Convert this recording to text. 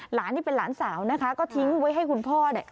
หลานที่เป็นหลานสาวนะคะก็ทิ้งไว้ให้คุณพ่อเนี่ย